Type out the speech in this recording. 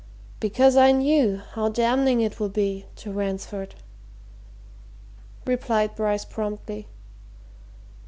"Because I knew how damning it would be to Ransford," replied Bryce promptly.